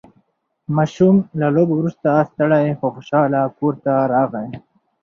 ماشوم له لوبو وروسته ستړی خو خوشحال کور ته راغی